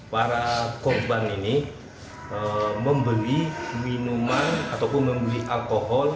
para korban ini membeli minuman ataupun membeli alkohol